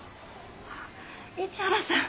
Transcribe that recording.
あっ市原さん